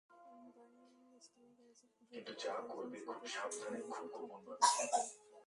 বাড়ির নিচতলার গ্যারেজের পাশে পুলিশের কয়েকজন সদস্যকে বসে থাকতে দেখা যায়।